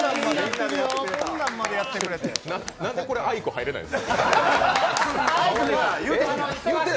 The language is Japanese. なんでこれ、アイク入れないんですか？